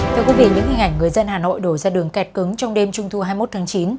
thưa quý vị những hình ảnh người dân hà nội đổ ra đường kẹt cứng trong đêm trung thu hai mươi một tháng chín